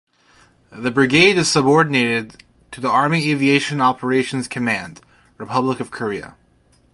The brigade is subordinated to the Army Aviation Operations Command (Republic of Korea).